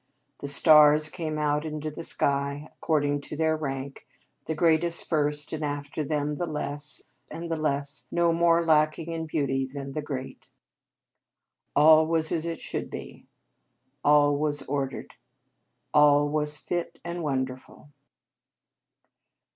The stars came out into the sky according to their rank the greatest first, and after them the less, and the less no more lacking in beauty than the great. All was as it should be all was ordered all was fit and wonderful.